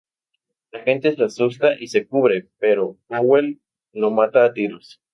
La gente se asusta y se cubre, pero Powell lo mata a tiros.